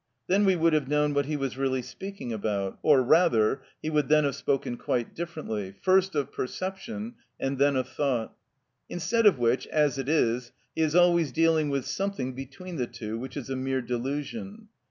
Then we would have known what he was really speaking about; or rather, he would then have spoken quite differently, first of perception, and then of thought; instead of which, as it is, he is always dealing with something between the two, which is a mere delusion.